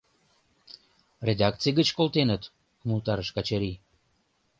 Редакций гыч колтеныт, — умылтарыш Качырий.